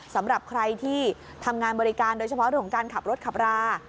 สำหรับใครที่ทำงานบริการโดยเฉพาะเรื่องของการขับรถขับรา